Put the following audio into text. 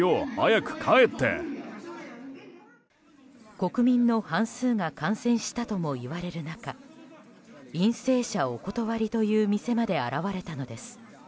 国民の半数が感染したともいわれる中陰性者お断りという店まで現れたのです。